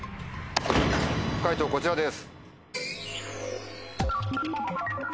解答こちらです。